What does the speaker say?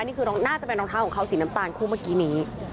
นี่คือน่าจะเป็นรองเท้าของเขาสีน้ำตาลคู่เมื่อกี้นี้